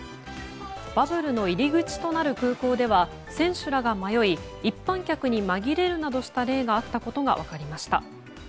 バブルの入り口となる空港では選手らが迷い一般客にまぎれるなどした例があったことが分かりました。